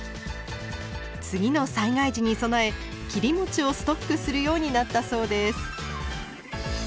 次の災害時に備え切りをストックするようになったそうです。